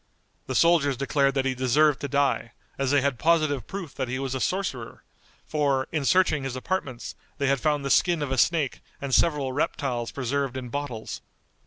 The soldiers declared that he deserved to die, as they had positive proof that he was a sorcerer, for, in searching his apartments, they had found the skin of a snake and several reptiles preserved in bottles.